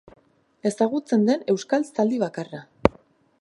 Ezagutzen den euskal zaldi bakarra.